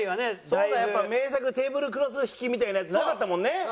そうだやっぱ名作「テーブルクロス引き」みたいなやつなかったもんね。